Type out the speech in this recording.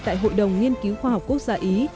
tại hội đồng nghiên cứu khoa học quốc gia ý